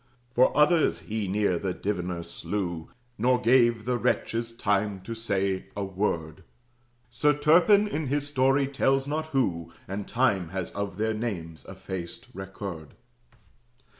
Four others he near that Diviner slew, Nor gave the wretches time to say a word. Sir Turpin in his story tells not who, And Time has of their names effaced record.